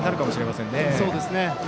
そうですね。